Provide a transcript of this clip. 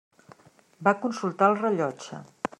Va consultar el rellotge.